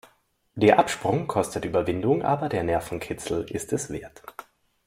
Der Absprung kostet Überwindung, aber der Nervenkitzel ist es wert.